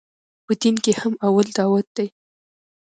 په دين کښې هم اول دعوت ديه.